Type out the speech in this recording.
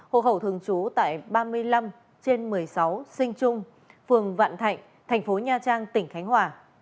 hộ khẩu thường trú tại ba mươi năm trên một mươi sáu sinh trung phường vạn thạnh thành phố nha trang tỉnh khánh hòa